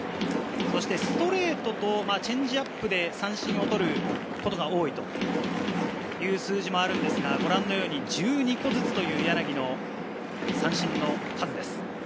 ストレートとチェンジアップで三振を取ることが多いという数字もあるんですが、ご覧のように１２個ずつという柳の三振の数です。